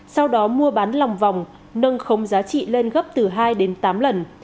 sau đó mua bán lòng vòng nâng khống giá trị lên gấp từ hai đến tám lần